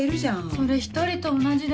それ１人と同じです。